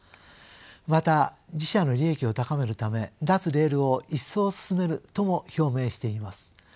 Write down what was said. また自社の利益を高めるため脱レールを一層進めるとも表明しています。